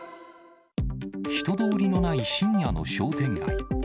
人通りのない深夜の商店街。